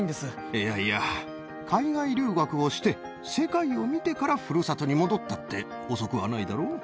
いやいや、海外留学をして、世界を見てからふるさとに戻ったって遅くはないだろう。